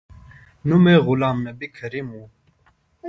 نوم یې غلام نبي کریمي و.